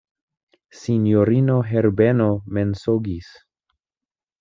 Sinjorino Herbeno mensogis.